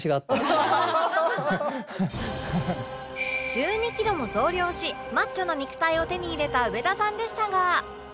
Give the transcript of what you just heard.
「」１２キロも増量しマッチョな肉体を手に入れた上田さんでしたが